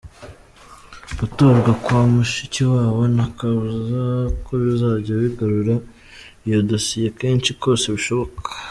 Gutorwa kwa Mushikiwabo nta kabuza ko bizajya bigarura iyo dossier kenshi kose bishoboka.